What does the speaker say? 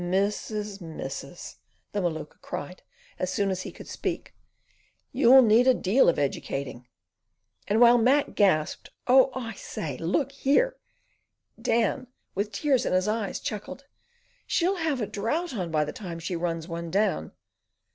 "Missus! missus!" the Maluka cried, as soon as he could speak, "you'll need a deal of educating"; and while Mac gasped, "Oh I say! Look here!" Dan, with tears in his eyes, chuckled: "She'll have a drouth on by the time she runs one down."